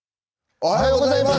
おはようございます。